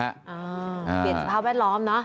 เปลี่ยนสภาพแวดล้อมเนอะ